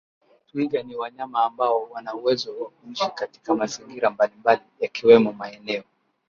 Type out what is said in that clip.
Twiga ni wanyama ambao wana uwezo wa kuishi katika mazingira mbali mbali yakiwemo maeneo